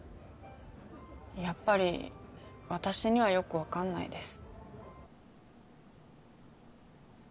やっぱり私にはよく分かんないです。